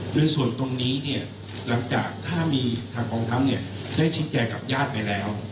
โดยส่วนตรงนี้เนี่ยหลังจากถ้ามีทางกองทัพได้ชี้แจงกับญาติไปแล้ว